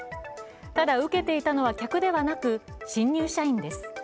ただ、受けていたのは客ではなく新入社員です。